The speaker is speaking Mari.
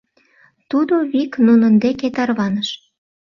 Тудо вик нунын деке тарваныш.